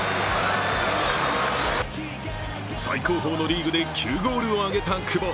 最高峰のリーグで９ゴールを挙げた久保。